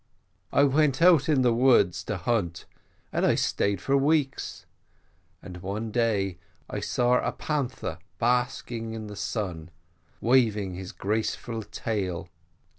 I went out in the woods to hunt, and I stayed for weeks. And one day I saw a panther basking in the sun, waving his graceful tail.